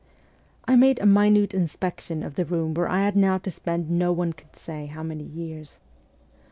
I made a minute inspection of the room where I had now to spend no one could say how many years.